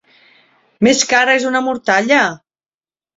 Més cara és una mortalla!